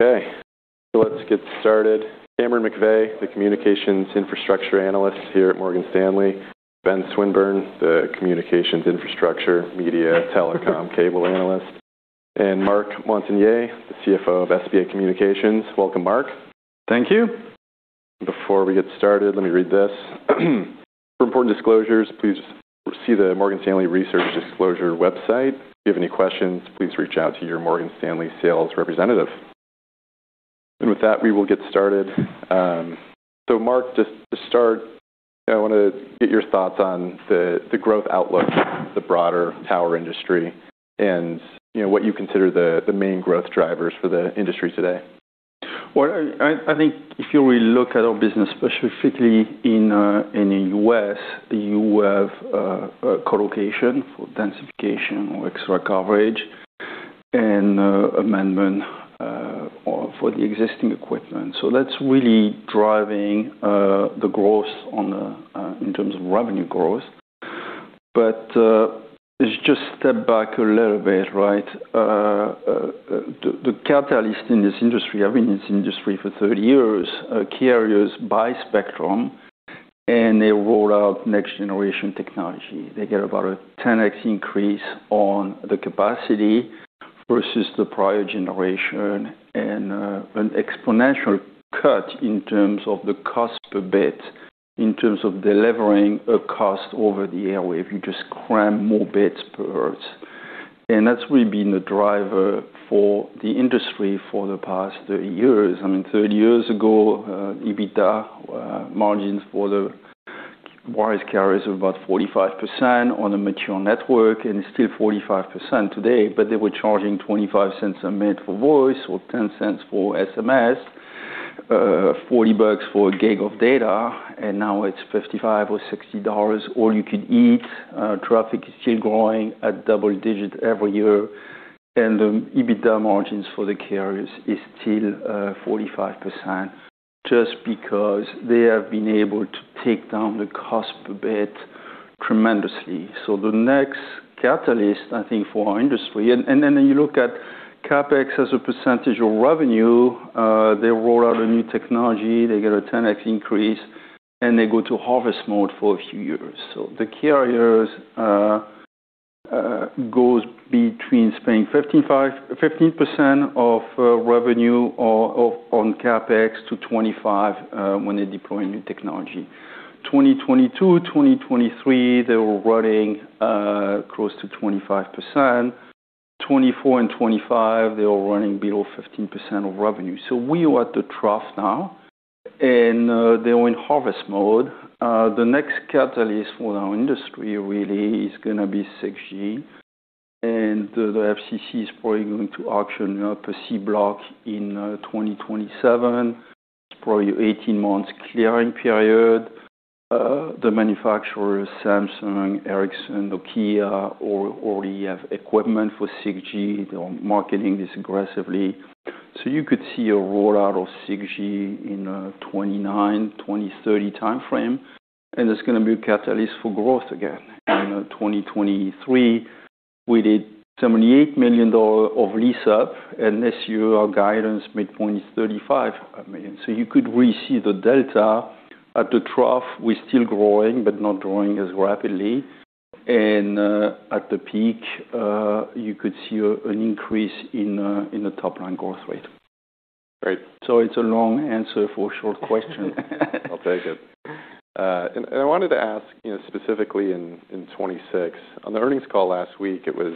Okay, let's get started. Cameron McVeigh, the communications infrastructure analyst here at Morgan Stanley. Ben Swinburne, the Communications Infrastructure, Media, Telecom, and Cable Analyst. Marc Montagner, the CFO of SBA Communications. Welcome, Marc. Thank you. Before we get started, let me read this. For important disclosures, please see the Morgan Stanley Research Disclosure website. If you have any questions, please reach out to your Morgan Stanley sales representative. With that, we will get started. Marc, just to start, I want to get your thoughts on the growth outlook for the broader tower industry and, you know, what you consider the main growth drivers for the industry today. I think if you really look at our business, specifically in the U.S., you have a co-location for densification or extra coverage and amendment or for the existing equipment. That's really driving the growth in terms of revenue growth. Let's just step back a little bit, right? The catalyst in this industry, I've been in this industry for 30 years, key areas buy spectrum, and they roll out next-generation technology. They get about a 10x increase on the capacity versus the prior generation and an exponential cut in terms of the cost per bit, in terms of delivering a cost over the airwaves. If you just cram more bits per hertz. That's really been the driver for the industry for the past 30 years. I mean, 30 years ago, EBITDA margins for the wireless carriers were about 45% on a mature network, and it's still 45% today. They were charging $0.25 a minute for voice or $0.10 for SMS, $40 for a gig of data, and now it's $55 or $60 all-you-can-eat. Traffic is still growing at double-digit every year. The EBITDA margins for the carriers is still 45% just because they have been able to take down the cost per bit tremendously. The next catalyst, I think, for our industry. You look at CapEx as a percentage of revenue, they roll out a new technology, they get a 10x increase, and they go to harvest mode for a few years. [inaudible] goes between paying [inaudible] 15% of, uh, revenue or on CapEx to 25%, uh, when they deploy a new technology. 2022, 2023, they were running, uh, close to 25%. 2024 and 2025, they were running below 15% of revenue. We are at the trough now, and, uh, they're in harvest mode. The next catalyst for our industry really is going to be 6G. And the FCC is probably going to auction up a C-band block in, uh, 2027. It's probably 18 months clearing period. The manufacturers, Samsung, Ericsson, Nokia, all already have equipment for 6G. They're marketing this aggressively. you could see a rollout of 6G in, uh, 2029, 2030 timeframe. And it's going to be a catalyst for growth again In 2023, we did $78 million of lease-up, and this year, our guidance midpoint is $35 million. You could really see the delta. At the trough, we're still growing, but not growing as rapidly. At the peak, you could see an increase in the top line growth rate. Great. It's a long answer for a short question. I'll take it. And I wanted to ask, you know, specifically in 2026. On the earnings call last week, it was,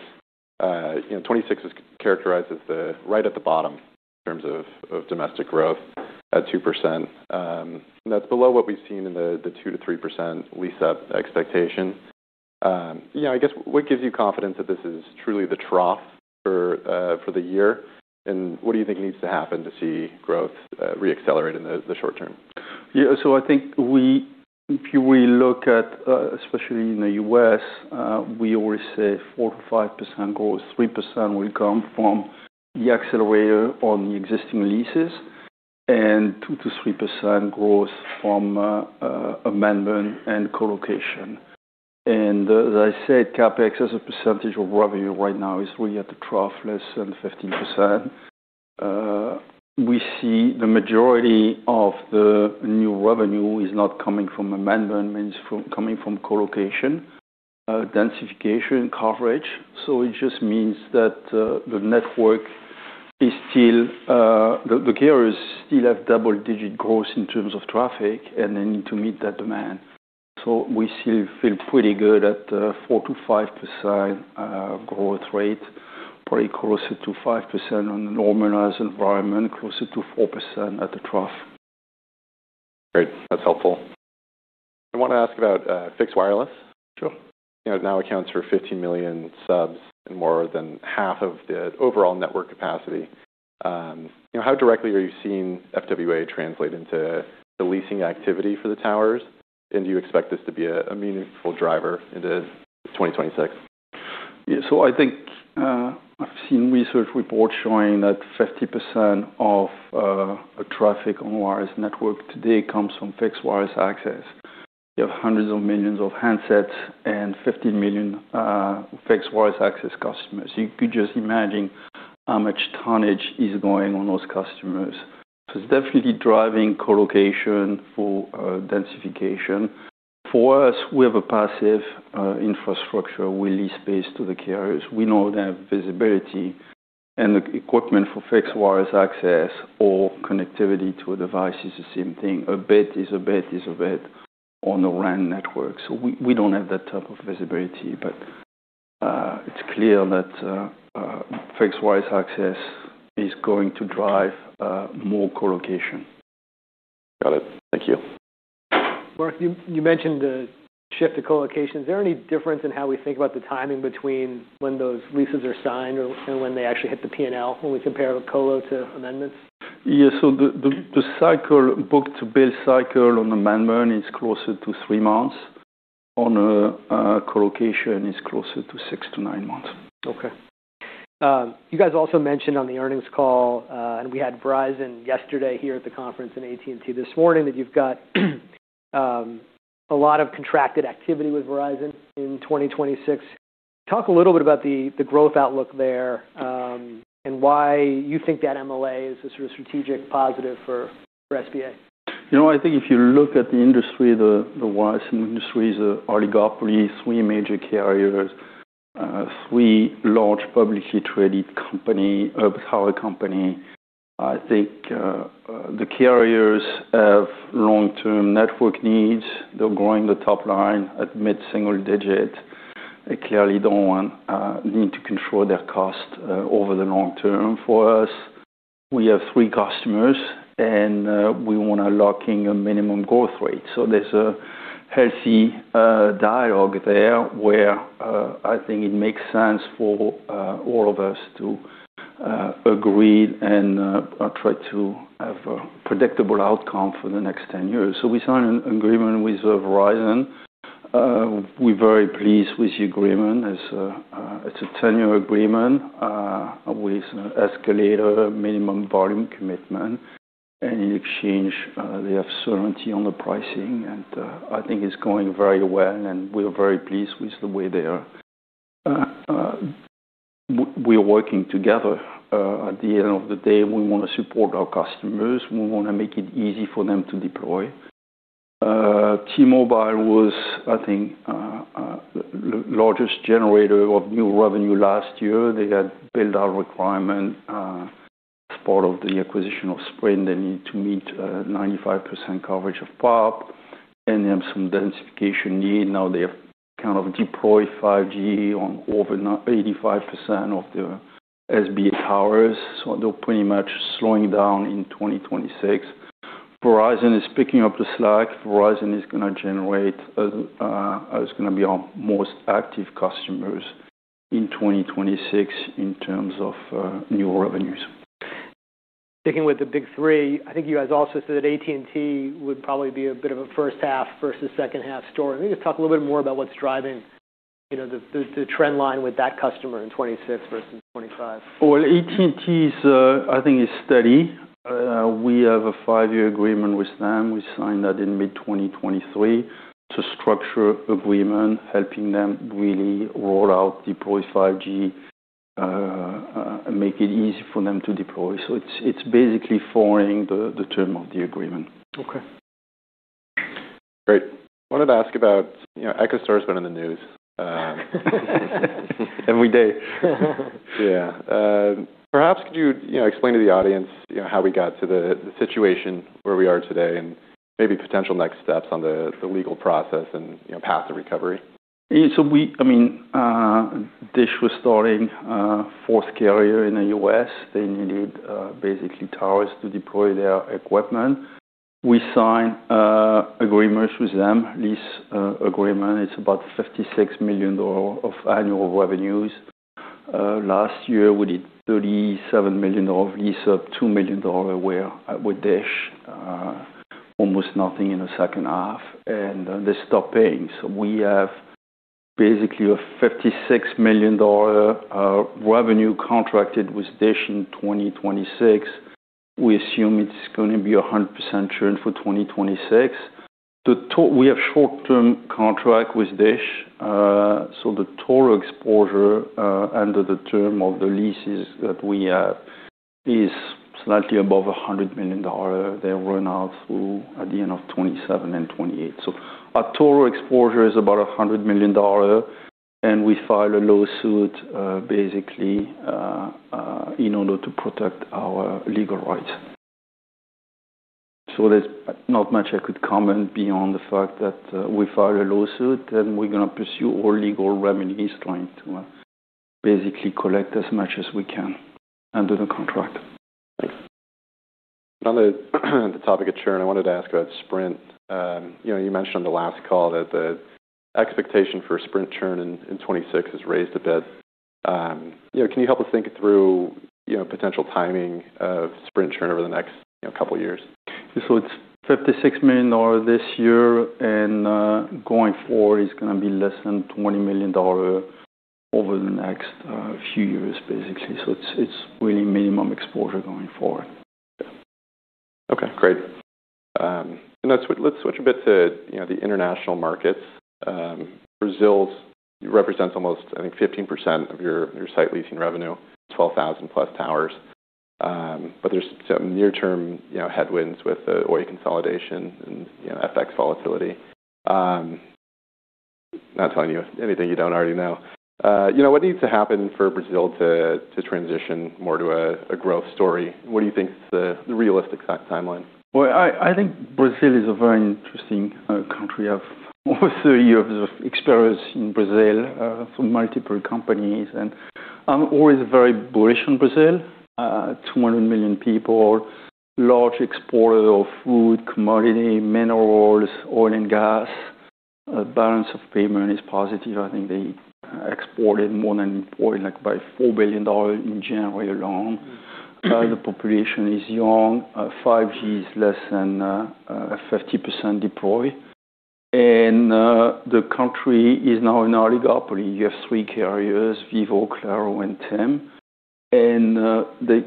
you know, 2026 is characterized as the right at the bottom in terms of domestic growth at 2%. That's below what we've seen in the 2%-3% lease-up expectation. Yeah, I guess what gives you confidence that this is truly the trough for the year? What do you think needs to happen to see growth re-accelerate in the short term? Yeah. I think if you really look at, especially in the U.S., we always say 4%-5% growth. 3% will come from the accelerator on the existing leases, 2%-3% growth from amendment and co-location. As I said, CapEx, as a percentage of revenue right now, is really at the trough, less than 15%. We see the majority of the new revenue is not coming from amendment, I mean, coming from co-location, densification coverage. It just means that the network is still, the carriers still have double-digit growth in terms of traffic and they need to meet that demand. We still feel pretty good at 4%-5% growth rate, probably closer to 5% on the normalized environment, closer to 4% at the trough. Great. That's helpful. I wanna ask about fixed wireless. Sure. You know, it now accounts for 15 million subs and more than half of the overall network capacity. You know, how directly are you seeing FWA translate into the leasing activity for the towers? Do you expect this to be a meaningful driver into 2026? I think I've seen research reports showing that 50% of traffic on wireless network today comes from fixed wireless access. You have hundreds of millions of handsets and 15 million fixed wireless access customers. You could just imagine how much tonnage is going on those customers. It's definitely driving co-location for densification. For us, we have a passive infrastructure. We lease space to the carriers. We know they have visibility and equipment for fixed wireless access or connectivity to a device is the same thing. A bit is a bit is a bit on a RAN network. We don't have that type of visibility, but it's clear that fixed wireless access is going to drive more co-location. Got it. Thank you. Marc, you mentioned the shift to co-location. Is there any difference in how we think about the timing between when those leases are signed or, and when they actually hit the P&L when we compare co-lo to amendments? Yeah. The cycle, book-to-bill cycle on amendment is closer to three months. On a co-location, it's closer to six to nine months. Okay. You guys also mentioned on the earnings call. We had Verizon yesterday here at the conference, and AT&T this morning, that you've got a lot of contracted activity with Verizon in 2026. Talk a little bit about the growth outlook there, and why you think that MLA is a sort of strategic positive for SBA. You know, I think if you look at the industry, the wireless industry is an oligopoly, three major carriers, three large publicly traded company. I think, the carriers have long-term network needs. They're growing the top line at mid-single digit. They clearly don't need to control their cost over the long term. For us, we have three customers, and, we wanna lock in a minimum growth rate. There's a healthy dialogue there where, I think it makes sense for all of us to agree and try to have a predictable outcome for the next 10 years. We signed an agreement with Verizon. We're very pleased with the agreement. It's a 10-year agreement, with an escalator minimum volume commitment. In exchange, they have certainty on the pricing. I think it's going very well, and we're very pleased with the way they are. We are working together. At the end of the day, we wanna support our customers. We wanna make it easy for them to deploy. T-Mobile was, I think, the largest generator of new revenue last year. They had build-out requirement as part of the acquisition of Sprint. They need to meet 95% coverage of POP, and they have some densification need. Now they have kind of deployed 5G on over 85% of the SBA towers, so they're pretty much slowing down in 2026. Verizon is picking up the slack. Verizon is gonna generate, is gonna be our most active customers in 2026 in terms of new revenues. Sticking with the big three, I think you guys also said AT&T would probably be a bit of a H1 versus H2 story. Maybe just talk a little bit more about what's driving, you know, the trend line with that customer in 2026 versus 2025. Well, AT&T's, I think is steady. We have a five-year agreement with them. We signed that in mid-2023. It's a structure agreement helping them really roll out, deploy 5G, make it easy for them to deploy. It's, it's basically following the term of the agreement. Okay. Great. Wanted to ask about, you know, EchoStar has been in the news. Every day. Yeah. Perhaps could you know, explain to the audience, you know, how we got to the situation where we are today and maybe potential next steps on the legal process and, you know, path to recovery? Yeah. I mean, DISH was starting a fourth carrier in the U.S. They needed basically towers to deploy their equipment. We signed agreements with them, lease agreement. It's about $56 million of annual revenues. Last year, we did $37 million lease of $2 million aware with DISH. Almost nothing in the second half. They stopped paying. We have basically a $56 million revenue contracted with DISH in 2026. We assume it's gonna be a 100% churn for 2026. We have short-term contract with DISH, the total exposure under the term of the leases that we have is slightly above $100 million. They run out through at the end of 2027 and 2028. Our total exposure is about $100 million, and we file a lawsuit, basically, in order to protect our legal rights. There's not much I could comment beyond the fact that we filed a lawsuit, and we're gonna pursue all legal remedies trying to basically collect as much as we can under the contract. Thanks. On the topic of churn, I wanted to ask about Sprint. You know, you mentioned on the last call that the expectation for Sprint churn in 2026 is raised a bit. You know, can you help us think through, you know, potential timing of Sprint churn over the next, you know, couple years? It's $56 million this year, and going forward, it's gonna be less than $20 million over the next few years, basically. It's, it's really minimum exposure going forward. Okay, great. Let's switch a bit to, you know, the international markets. Brazil represents almost, I think, 15% of your site leasing revenue, 12,000+ towers. There's some near-term, you know, headwinds with the Oi consolidation and, you know, FX volatility. Not telling you anything you don't already know. You know, what needs to happen for Brazil to transition more to a growth story? What do you think is the realistic time timeline? Well, I think Brazil is a very interesting country. I've over 30 years of experience in Brazil for multiple companies, and I'm always very bullish on Brazil. 200 million people, large exporter of food, commodity, minerals, oil and gas. Balance of payment is positive. I think they exported more than imported, like, by $4 billion in January alone. The population is young. 5G is less than 50% deployed. The country is now an oligopoly. You have three carriers, Vivo, Claro, and TIM. The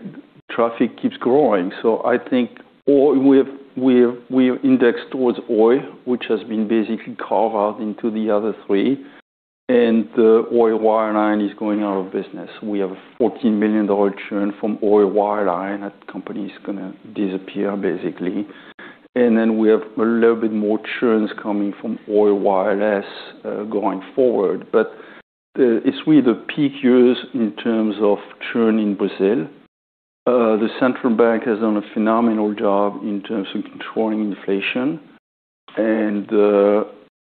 traffic keeps growing. I think Oi. We're indexed towards Oi, which has been basically carved out into the other three. The Oi Wireline is going out of business. We have a $14 million churn from Oi Wireline. That company is gonna disappear, basically. We have a little bit more churns coming from Oi Wireless going forward. It's really the peak years in terms of churn in Brazil. The central bank has done a phenomenal job in terms of controlling inflation.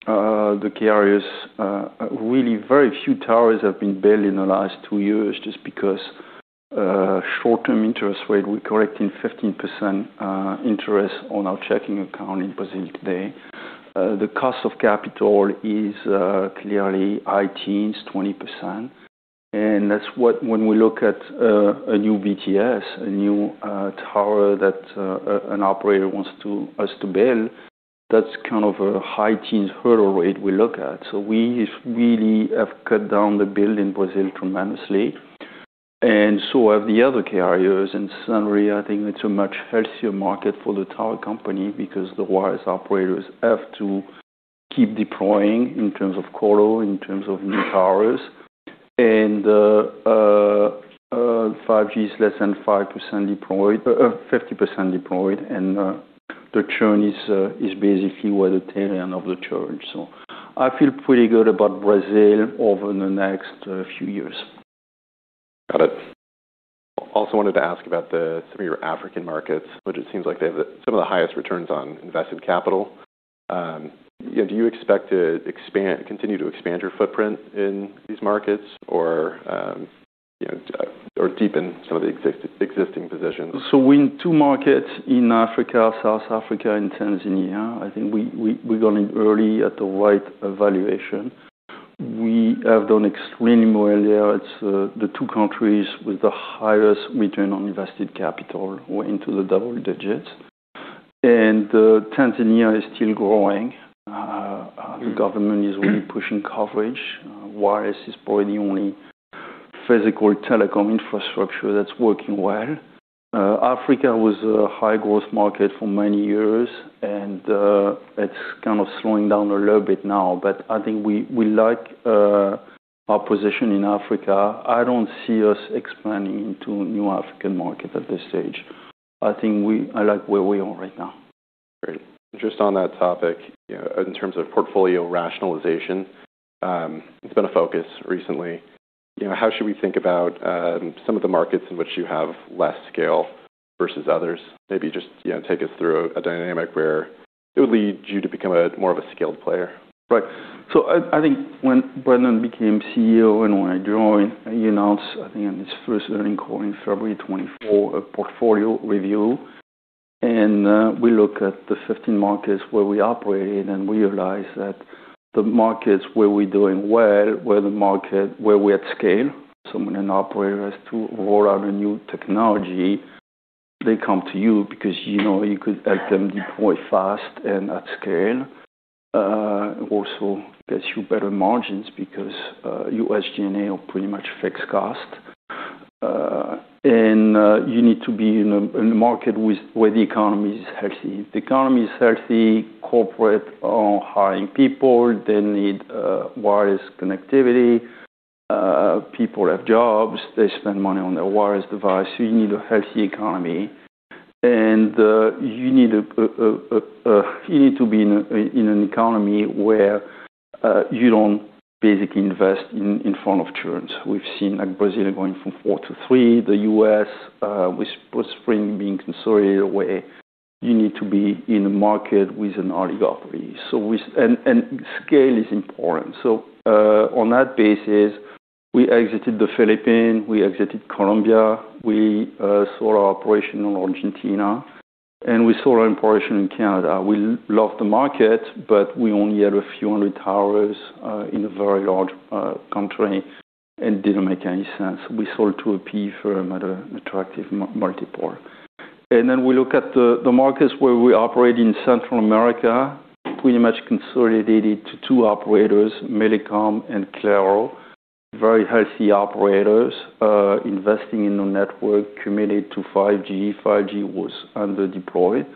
The carriers really very few towers have been built in the last two years just because short-term interest rate, we're collecting 15% interest on our checking account in Brazil today. The cost of capital is clearly high teens, 20%. When we look at a new BTS, a new tower that an operator wants us to build, that's kind of a high teens hurdle rate we look at. We really have cut down the build in Brazil tremendously, and so have the other carriers. Suddenly, I think it's a much healthier market for the tower company because the wireless operators have to keep deploying in terms of colo, in terms of new towers. 5G is less than 5% deployed, 50% deployed. The churn is basically where the tail end of the churn. I feel pretty good about Brazil over the next few years. Got it. Also wanted to ask about the some of your African markets, which it seems like they have some of the highest returns on invested capital. you know, do you expect to continue to expand your footprint in these markets or, you know, or deepen some of the existing positions? We're in two markets in Africa, South Africa and Tanzania. I think we got in early at the right valuation. We have done extremely well there. It's the two countries with the highest return on invested capital. We're into the double digits. Tanzania is still growing. The government is really pushing coverage. Wireless is probably the only physical telecom infrastructure that's working well. Africa was a high-growth market for many years, and it's kind of slowing down a little bit now. I think we like our position in Africa. I don't see us expanding into new African markets at this stage. I think I like where we are right now. Great. Just on that topic, you know, in terms of portfolio rationalization, it's been a focus recently. You know, how should we think about some of the markets in which you have less scale versus others? Maybe just, you know, take us through a dynamic where it would lead you to become a more of a scaled player. Right. I think when Brandon became CEO and when I joined, he announced, I think on his first earnings call in February 2024, a portfolio review. We look at the 15 markets where we operate, and we realized that the markets where we're doing well were the market where we're at scale. When an operator has to roll out a new technology, they come to you because you know you could help them deploy fast and at scale. Also gets you better margins because your SG&A are pretty much fixed costs. You need to be in a market where the economy is healthy. If the economy is healthy, corporate are hiring people, they need wireless connectivity. People have jobs, they spend money on their wireless devices. You need a healthy economy. You need to be in an economy where you don't basically invest in front of churn. We've seen, like Brazil going from four to three, the U.S. with Sprint being consolidated away. You need to be in a market with an oligopoly. Scale is important. On that basis, we exited the Philippines, we exited Colombia, we sold our operation in Argentina, and we sold our operation in Canada. We love the market, but we only had a few hundred towers in a very large country, and it didn't make any sense. We sold to AP for an attractive multiple. We look at the markets where we operate in Central America, pretty much consolidated to two operators, Millicom and Claro. Very healthy operators, investing in the network committed to 5G. 5G was under deployed.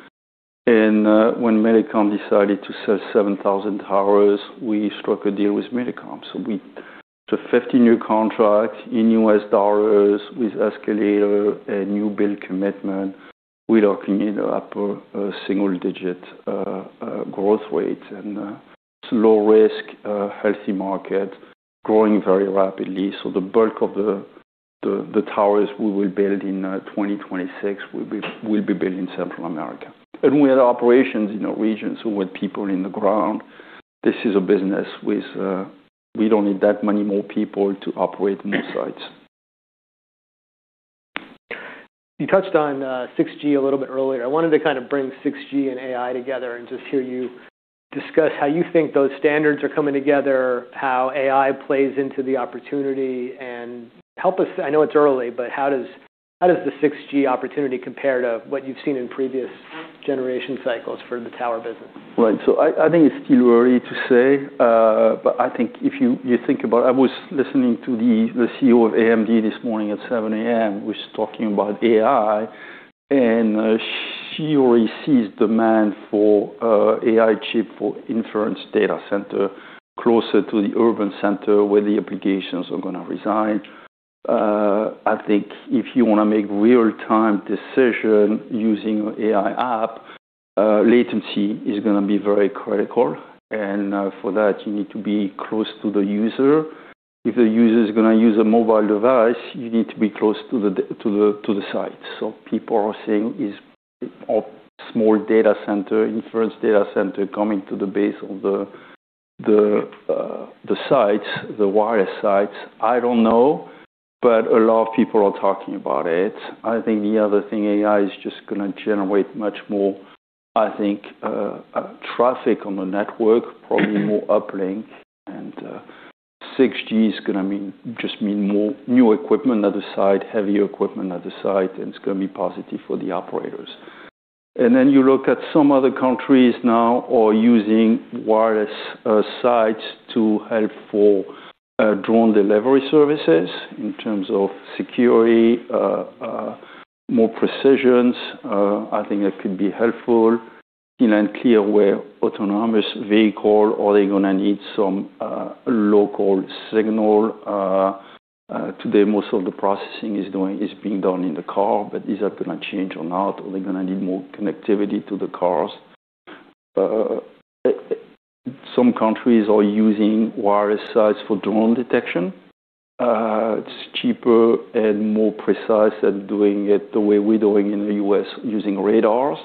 When Millicom decided to sell 7,000 towers, we struck a deal with Millicom. We took 50 new contracts in U.S. dollars with escalator and new bill commitment. We're looking at upper single-digit growth rate and it's low risk, healthy market growing very rapidly. The bulk of the towers we will build in 2026 will be built in Central America. We had operations in the regions with people in the ground. This is a business with we don't need that many more people to operate new sites. You touched on 6G a little bit earlier. I wanted to kind of bring 6G and AI together and just hear you discuss how you think those standards are coming together, how AI plays into the opportunity. I know it's early, but how does the 6G opportunity compare to what you've seen in previous generation cycles for the tower business? Right. I think it's still early to say. I think if you think about I was listening to the CEO of AMD this morning at 7:00 A.M., was talking about AI, and she already sees demand for AI chip for inference data center closer to the urban center where the applications are gonna reside. I think if you wanna make real-time decision using AI app, latency is gonna be very critical. For that you need to be close to the user. If the user is gonna use a mobile device, you need to be close to the site. People are saying is of small data center, inference data center coming to the base of the sites, the wireless sites. I don't know. A lot of people are talking about it. I think the other thing, AI is just gonna generate much more, I think, traffic on the network, probably more uplink. 6G is gonna mean, just mean more new equipment at the site, heavier equipment at the site, and it's gonna be positive for the operators. You look at some other countries now are using wireless sites to help for drone delivery services in terms of security, more precisions. I think that could be helpful. In clear where autonomous vehicle are they gonna need some local signal. Today most of the processing is being done in the car, but is that gonna change or not? Are they gonna need more connectivity to the cars? Some countries are using wireless sites for drone detection. It's cheaper and more precise at doing it the way we're doing in the U.S. using radars.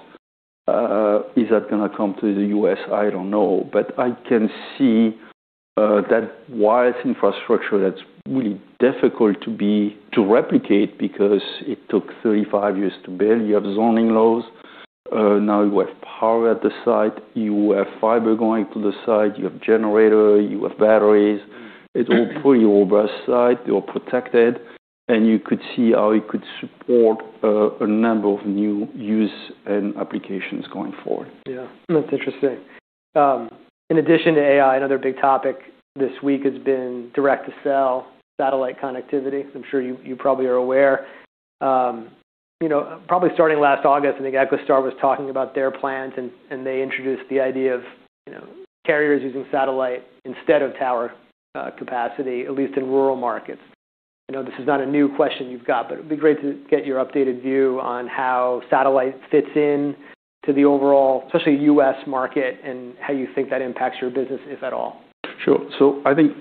Is that gonna come to the U.S.? I don't know. I can see that wireless infrastructure that's really difficult to replicate because it took 35 years to build. You have zoning laws. Now you have power at the site. You have fiber going to the site. You have generator. You have batteries. It's all fully robust site. You're protected. You could see how it could support a number of new use and applications going forward. Yeah. That's interesting. In addition to AI, another big topic this week has been direct-to-cell satellite connectivity. I'm sure you probably are aware. You know, probably starting last August, I think EchoStar was talking about their plans and they introduced the idea of, you know, carriers using satellite instead of tower capacity, at least in rural markets. I know this is not a new question you've got, but it'd be great to get your updated view on how satellite fits in to the overall, especially U.S. market, and how you think that impacts your business, if at all. Sure. I think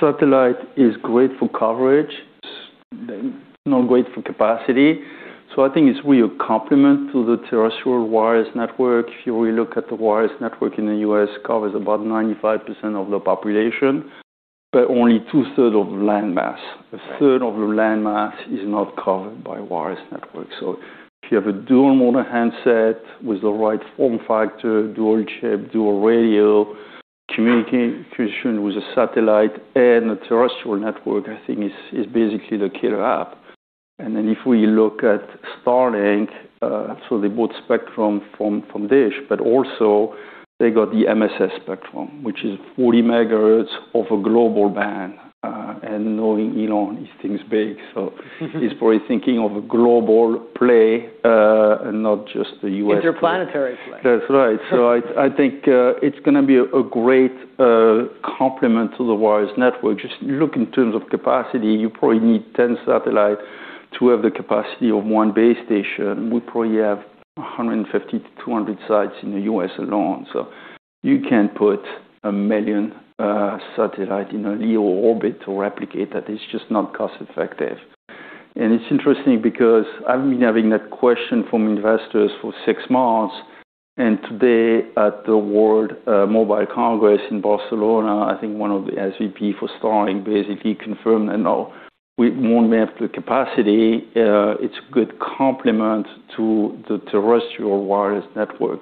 satellite is great for coverage, it's not great for capacity. I think it's really a complement to the terrestrial wireless network. If you really look at the wireless network in the U.S. covers about 95% of the population, but only 2/3 of landmass. A third of the landmass is not covered by wireless network. If you have a dual mode handset with the right form factor, dual chip, dual radio communication with a satellite and a terrestrial network, I think is basically the killer app. If we look at Starlink, they bought spectrum from DISH, but also they got the MSS spectrum, which is 40 MHz of a global band. Knowing Elon, he thinks big, he's probably thinking of a global play, and not just the U.S. Interplanetary play. I think it's gonna be a great complement to the wireless network. Just look in terms of capacity. You probably need 10 satellites to have the capacity of one base station. We probably have 150-200 sites in the U.S. alone. You can put 1 million satellite in a LEO orbit to replicate that. It's just not cost effective. It's interesting because I've been having that question from investors for six months, and today at the Mobile World Congress in Barcelona, I think one of the SVP for Starlink basically confirmed that, no, we won't have the capacity. It's a good complement to the terrestrial wireless network,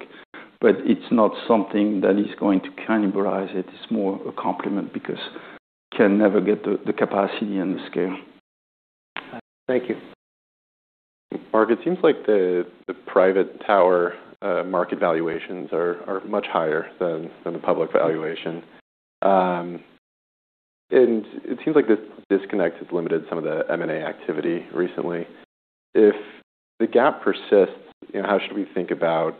but it's not something that is going to cannibalize it. It's more a complement because can never get the capacity and the scale. Thank you. Marc, it seems like the private tower market valuations are much higher than the public valuation. It seems like this disconnect has limited some of the M&A activity recently. If the gap persists, you know, how should we think about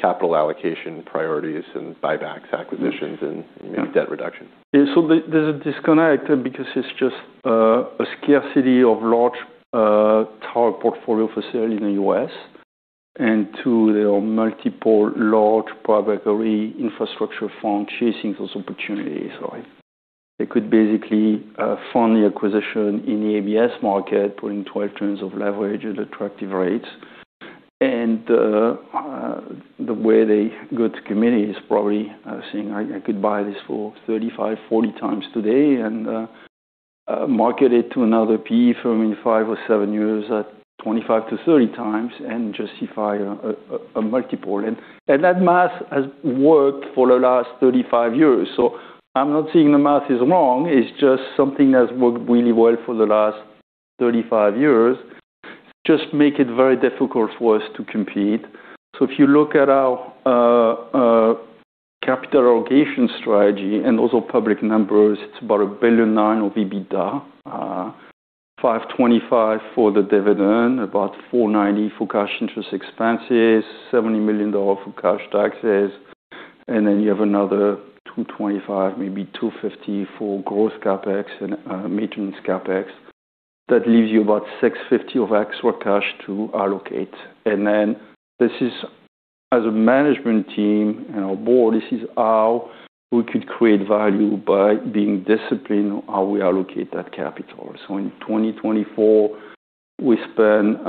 capital allocation priorities and buybacks, acquisitions, and maybe debt reduction? Yeah. There's a disconnect because it's just a scarcity of large tower portfolio for sale in the U.S. two, there are multiple large private equity infrastructure firms chasing those opportunities, right? They could basically fund the acquisition in the ABS market, putting 12 trillion of leverage at attractive rates. The way they go to committee is probably saying, I could buy this for 35x, 40x today, and market it to another PE firm in five or seven years at 25x-30x, and justify a multiple. That math has worked for the last 35 years. I'm not saying the math is wrong, it's just something that's worked really well for the last 35 years. Just make it very difficult for us to compete. If you look at our capital allocation strategy, and those are public numbers, it's about $1.9 billion of EBITDA. $525 million for the dividend, about $490 million for cash interest expenses, $70 million for cash taxes, and then you have another $225 million, maybe $250 million for growth CapEx and maintenance CapEx. That leaves you about $650 million of extra cash to allocate. This is, as a management team and our board, this is how we could create value by being disciplined how we allocate that capital. In 2024, we spent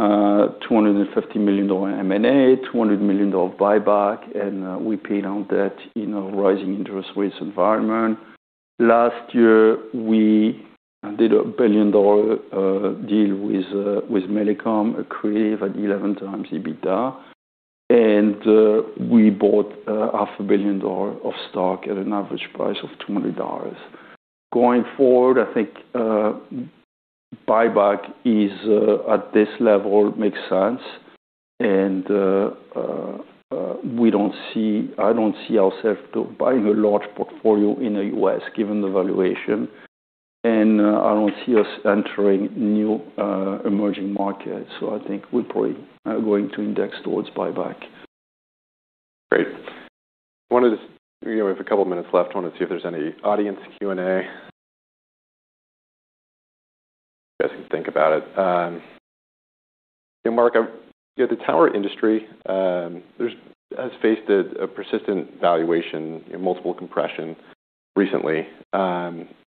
$250 million M&A, $200 million buyback, and we paid down debt in a rising interest rates environment. Last year, we did a $1 billion deal with Millicom, acquired at 11x EBITDA. We bought $0.5 billion of stock at an average price of $200. Going forward, I think buyback is at this level makes sense. I don't see ourself to buying a large portfolio in the U.S., given the valuation. I don't see us entering new emerging markets. I think we're probably going to index towards buyback. Great. You know, we have a couple minutes left. Wanted to see if there's any audience Q&A. You guys can think about it. You know, Marc, you know, the tower industry has faced a persistent valuation, multiple compression recently.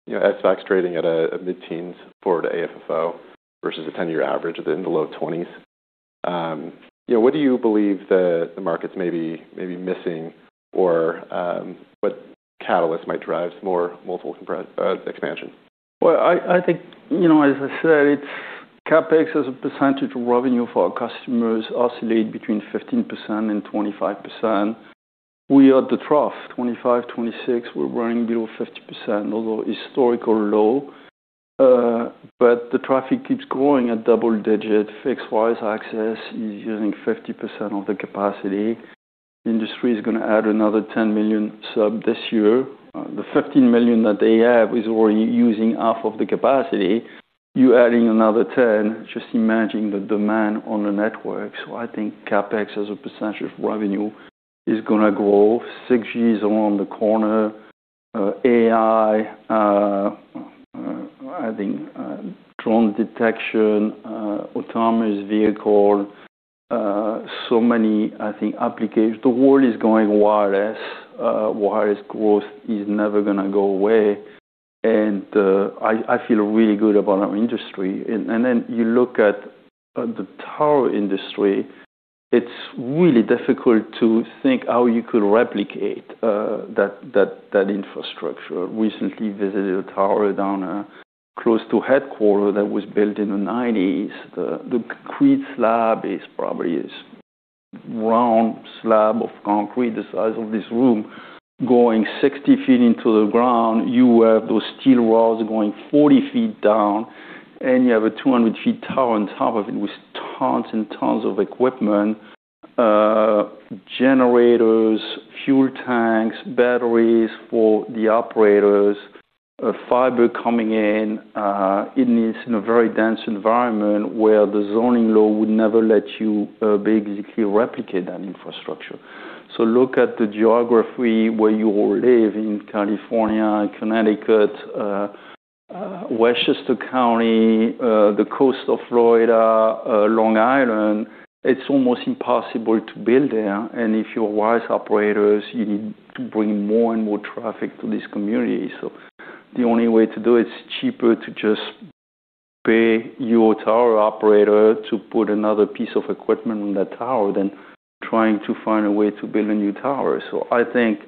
You know, as SBA's trading at a mid-10s forward AFFO versus a 10-year average in the low 20s. You know, what do you believe the markets may be missing or what catalyst might drive some more multiple expansion? I think, you know, as I said, CapEx as a percentage of revenue for our customers oscillate between 15% and 25%. We are at the trough, 25%, 26%. We're running below 50%, although historical low. The traffic keeps growing at double digit. fixed wireless access is using 50% of the capacity. Industry is gonna add another 10 million sub this year. The 15 million that they have is already using 1/2 of the capacity. You're adding another 10, just imagine the demand on the network. I think CapEx as a percentage of revenue is gonna grow. 6G is around the corner. AI adding drone detection, autonomous vehicle, so many, I think, applications. The world is going wireless. Wireless growth is never gonna go away. I feel really good about our industry. Then you look at the tower industry, it's really difficult to think how you could replicate that infrastructure. Recently visited a tower down close to headquarter that was built in the nineties. The concrete slab is probably a round slab of concrete the size of this room, going 60 ft into the ground. You have those steel rods going 40 ft down, and you have a 200 ft tower on top of it with tons and tons of equipment. Generators, fuel tanks, batteries for the operators, fiber coming in. It needs in a very dense environment where the zoning law would never let you basically replicate that infrastructure. Look at the geography where you all live in California, Connecticut, Westchester County, the coast of Florida, Long Island. It's almost impossible to build there. If you're wireless operators, you need to bring more and more traffic to this community. The only way to do it's cheaper to just pay your tower operator to put another piece of equipment on that tower than trying to find a way to build a new tower. I think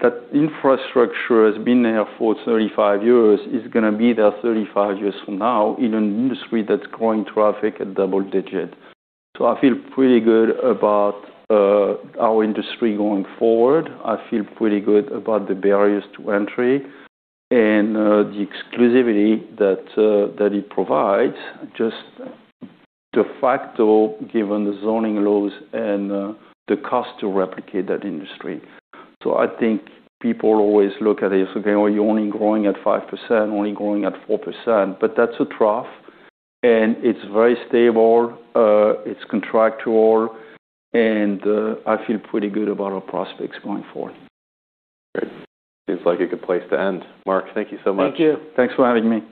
that infrastructure has been there for 35 years. It's gonna be there 35 years from now in an industry that's growing traffic at double-digit. I feel pretty good about our industry going forward. I feel pretty good about the barriers to entry and the exclusivity that that it provides, just de facto, given the zoning laws and the cost to replicate that industry. I think people always look at this, okay, well, you're only growing at 5%, only growing at 4%, but that's a trough, and it's very stable, it's contractual, and I feel pretty good about our prospects going forward. Great. Seems like a good place to end. Marc, thank you so much. Thank you. Thanks for having me.